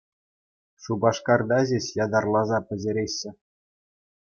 Шупашкарта ҫеҫ ятарласа пӗҫереҫҫӗ.